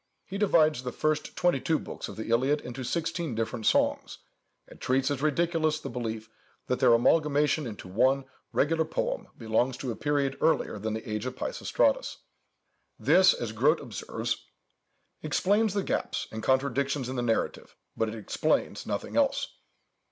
He divides the first twenty two books of the Iliad into sixteen different songs, and treats as ridiculous the belief that their amalgamation into one regular poem belongs to a period earlier than the age of Peisistratus. This, as Grote observes, "explains the gaps and contradictions in the narrative, but it explains nothing else."